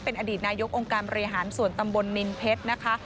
เป็นอดีตนายกองค์การบริหารส่วนตำบลนินเพชรนะคะ